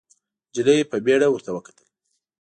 نجلۍ په بيړه ورته وکتل.